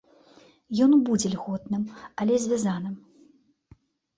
Ён будзе льготным, але звязаным.